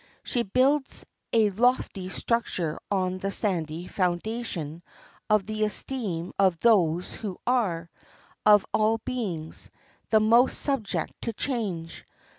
She builds a lofty structure on the sandy foundation of the esteem of those who are, of all beings, the most subject to change.